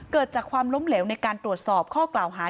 เกิดจากความล้มเหลวในการตรวจสอบข้อกล่าวหา